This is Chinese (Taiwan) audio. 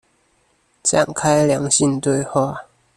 展開良性對話